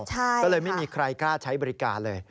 ก็เลยไม่มีใครกล้าใช้บริการเลย